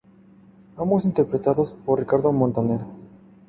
Ambos interpretados por Ricardo Montaner.